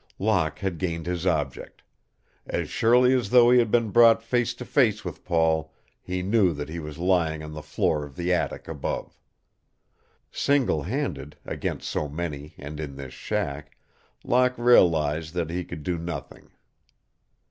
Locke had gained his object. As surely as though he had been brought face to face with Paul, he knew that he was lying on the floor of the attic above. Single handed, against so many and in this shack, Locke realized that he could do nothing.